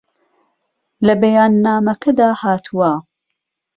لە بەیاننامەکەدا هاتووە